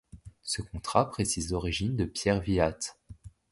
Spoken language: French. Ce contrat précise l'origine de Pierre Villate.